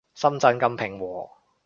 深圳咁平和